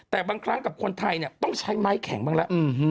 แต่บางครั้งกับคนไทยเนี่ยต้องใช้ไม้แข็งบ้างแล้ว